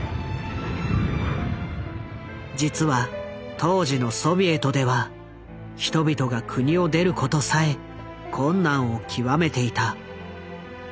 実は当時のソビエトでは人々が国を出ることさえ困難を極めていた。